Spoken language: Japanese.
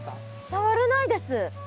触れないです。